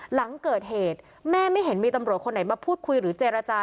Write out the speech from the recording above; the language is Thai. หลังเกิดเหตุแม่ไม่เห็นมีตำรวจคนไหนมาพูดคุยหรือเจรจา